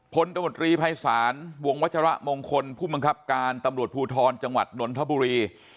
ตมตรีภัยศาลวงวัชระมงคลผู้บังคับการตำรวจภูทรจังหวัดนนทบุรี